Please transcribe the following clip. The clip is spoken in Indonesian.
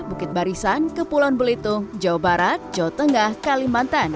bukit barisan kepulauan belitung jawa barat jawa tengah kalimantan